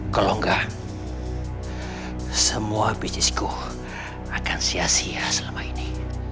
kalau enggak semua bisnisku akan sia sia selama ini